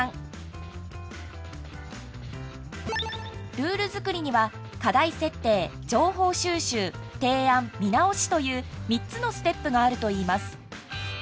ルールづくりには課題設定情報収集提案・見直しという３つのステップがあるといいます。